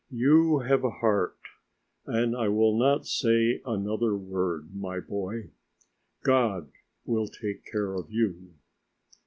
"You have a heart, and I will not say another word, my boy. God will take care of you."